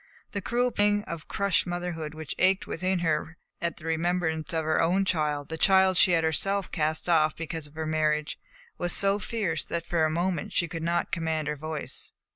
The cruel pang of crushed motherhood which ached within her at the remembrance of her own child, the child she had herself cast off because of her marriage, was so fierce that for a moment she could not command her voice.